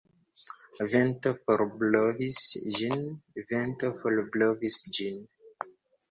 Vento forblovis ĝin, Vento forblovis ĝin.